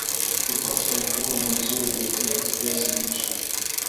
Kupata mavuno mazuri ya viazi lishe